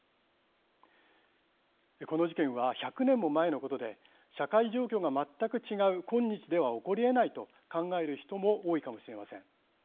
この事件は１００年も前のことで社会状況が全く違う今日では起こりえないと考える人も多いかもしれません。